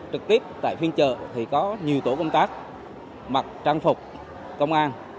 trực tiếp tại phiên chợ thì có nhiều tổ công tác mặc trang phục công an